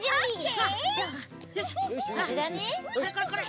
これこれこれ！